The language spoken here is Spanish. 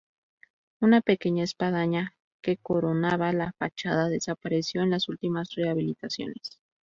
Una pequeña espadaña, que coronaba la fachada, desapareció en las últimas rehabilitaciones.